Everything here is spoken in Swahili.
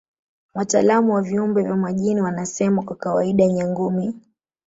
Wataalamu wa viumbe vya majini wanasema kwa kawaida Nyangumi